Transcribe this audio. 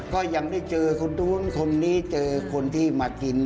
ก็ยังได้เจอคนนู้นคนนี้เจอคนที่มากิน